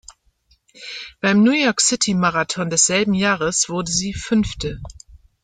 Beim New-York-City-Marathon desselben Jahres wurde sie Fünfte.